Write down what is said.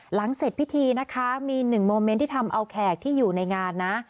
หลังเสร็จพิธีนะคะมีหนึ่งโมเมนต์ที่ทำเอาแขกที่อยู่ในงานนะ